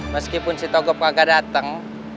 meskipun si togop kagak dateng